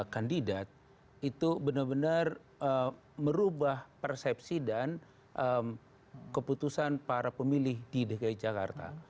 kandidat itu benar benar merubah persepsi dan keputusan para pemilih di dki jakarta